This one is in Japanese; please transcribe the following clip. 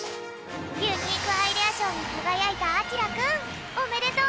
ユニークアイデアしょうにかがやいたあきらくんおめでとう！